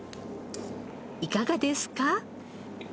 いかがですか？